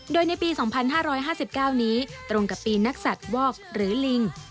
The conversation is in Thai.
โดยในปี๒๕๕๙นี้ตรงกับปีนักศัตริย์วอกหรือลิง